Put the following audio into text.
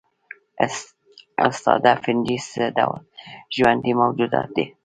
استاده فنجي څه ډول ژوندي موجودات دي